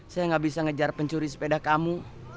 saya nggak bisa ngejar pencuri sepeda kamu